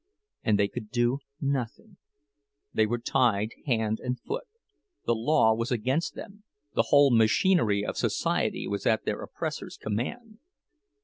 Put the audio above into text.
And they could do nothing, they were tied hand and foot—the law was against them, the whole machinery of society was at their oppressors' command!